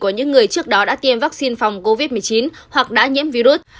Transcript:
những người trước đó đã tiêm vaccine phòng covid một mươi chín hoặc đã nhiễm virus